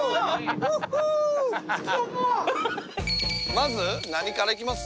まず何からいきます？